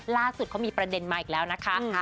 ล่าสุดเขามีประเด็นมาอีกแล้วนะคะ